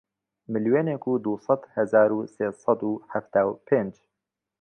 ملیۆنێک و دوو سەد هەزار و سێ سەد و حەفتا و پێنج